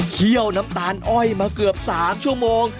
เคี่ยวน้ำตาลอ้อยมาเกือบ๓ชั่วโมง